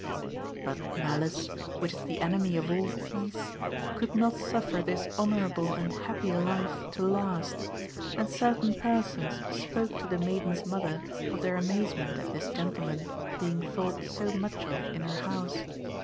But malice, which is the enemy of all peace, could not suffer this honourable and happy life to last, and certain persons spoke to the maiden's mother of their amazement at this gentleman being thought so much of in her house.